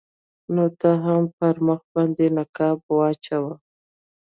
نو ته هم پر مخ باندې نقاب واچوه.